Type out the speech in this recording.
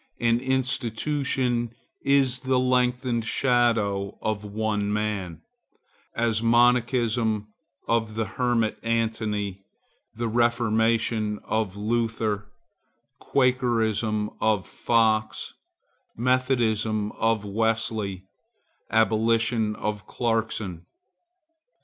An institution is the lengthened shadow of one man; as, Monachism, of the Hermit Antony; the Reformation, of Luther; Quakerism, of Fox; Methodism, of Wesley; Abolition, of Clarkson.